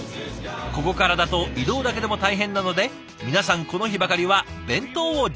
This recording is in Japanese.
ここからだと移動だけでも大変なので皆さんこの日ばかりは弁当を持参。